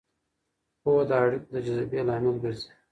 پوهه د اړیکو د جذبې لامل ګرځي.